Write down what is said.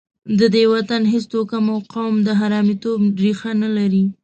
د دې وطن هېڅ توکم او قوم د حرامیتوب ریښه نه لري.